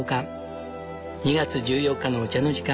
２月１４日のお茶の時間